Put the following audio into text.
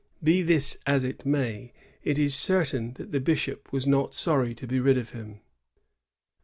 ^ Be this as it may, it is certain that the bishop was not sorry to be rid of him.